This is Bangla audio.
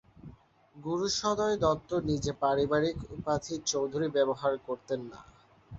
গুরুসদয় দত্ত নিজে পারিবারিক উপাধি "চৌধুরী" ব্যবহার করতেন না।